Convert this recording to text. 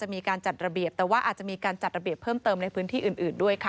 มีการจัดระเบียบแต่ว่าอาจจะมีการจัดระเบียบเพิ่มเติมในพื้นที่อื่นด้วยค่ะ